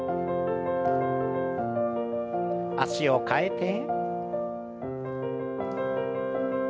脚を替えて。